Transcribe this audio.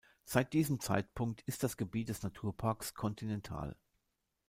Seit diesem Zeitpunkt ist das Gebiet des Naturparks kontinental.